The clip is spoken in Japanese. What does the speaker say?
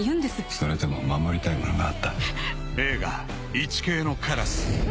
「それでも守りたいものがあった」